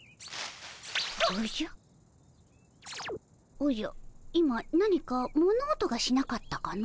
おじゃ今何か物音がしなかったかの？